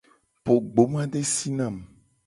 Po gbomadesi na mu.